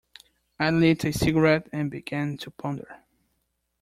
I lit a cigarette and began to ponder.